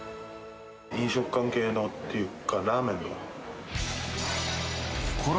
飲食関係のっていうか、ラーメンの。